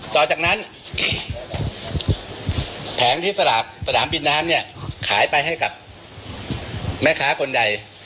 ต่อจากนั้นแผงที่สนามบินน้ำเนี่ยขายไปให้กับแม่ค้าคนใด